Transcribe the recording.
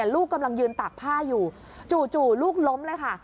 ลูกกำลังยืนตากผ้าอยู่จู่ลูกล้มเลยค่ะ